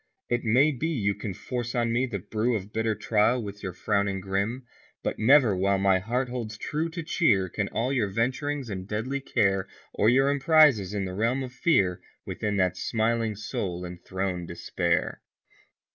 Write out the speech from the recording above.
It may be you can force on me the brew Of bitter trial with your frowning grim. But never while my Heart holds true to cheer Can all your venturings in deadly care, Or your emprises in the realm of fear, Within that smiling Soul enthrone Despair.